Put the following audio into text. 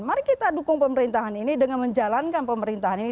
mari kita dukung pemerintahan ini dengan menjalankan pemerintahan ini